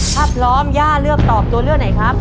ถ้าพร้อมย่าเลือกตอบตัวเลือกไหนครับ